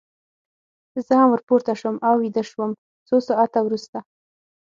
زه هم ور پورته شوم او ویده شوم، څو ساعته وروسته.